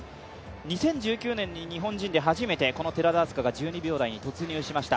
２０１９年に日本人で初めて寺田明日香が１２秒台に突入しました。